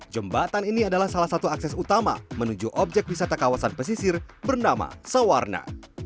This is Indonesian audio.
jembatan ini adalah salah satu akses utama menuju objek wisata kawasan pesisir bernama sawarna